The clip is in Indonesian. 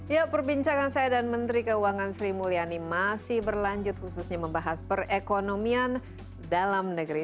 ya perbincangan saya dan menteri keuangan sri mulyani masih berlanjut khususnya membahas perekonomian dalam negeri